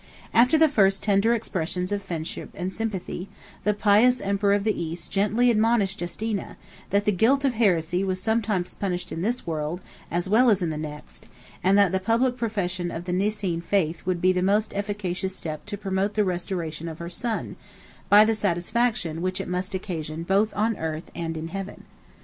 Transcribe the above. After the first tender expressions of friendship and sympathy, the pious emperor of the East gently admonished Justina, that the guilt of heresy was sometimes punished in this world, as well as in the next; and that the public profession of the Nicene faith would be the most efficacious step to promote the restoration of her son, by the satisfaction which it must occasion both on earth and in heaven.